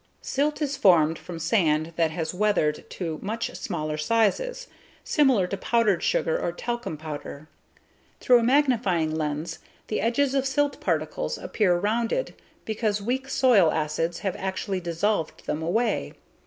Silt is formed from sand that has weathered to much smaller sizes, similar to powdered sugar or talcum powder. Through a magnifying lens, the edges of silt particles appear rounded because weak soil acids have actually dissolved them away.